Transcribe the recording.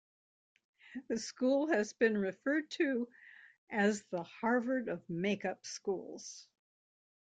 The school has been referred to as "the Harvard of make-up schools".